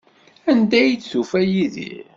Anda ay d-tufa Yidir?